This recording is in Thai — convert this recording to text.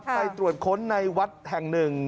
ไปตรวจค้นในวัดแห่งหนึ่ง